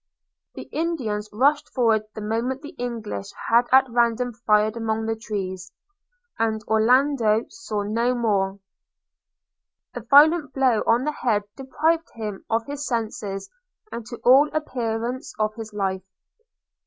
The Indians rushed forward the moment the English had at random fired among the trees, and Orlando saw no more; a violent blow on the head deprived him of his senses, and to all appearance of his life.